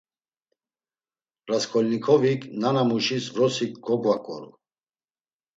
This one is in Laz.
Rasǩolnikovik nanamuşis vrosi kogvaǩoru.